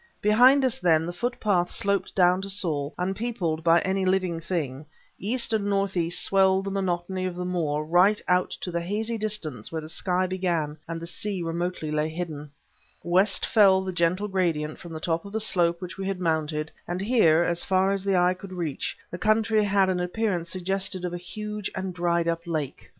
Behind us, then, the foot path sloped down to Saul, unpeopled by any living thing; east and northeast swelled the monotony of the moor right out to the hazy distance where the sky began and the sea remotely lay hidden; west fell the gentle gradient from the top of the slope which we had mounted, and here, as far as the eye could reach, the country had an appearance suggestive of a huge and dried up lake.